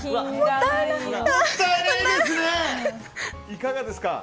いかがですか。